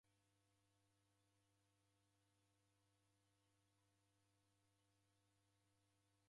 Injika aha naw'ashoma.